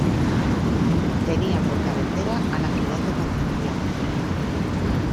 Tenía por cabecera a la ciudad de Concepción.